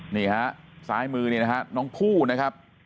นี่นะครับซ้ายมือนี่น้องผู้นะครับ